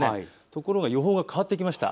ところが予報が変わってきました。